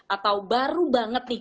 atau baru banget nih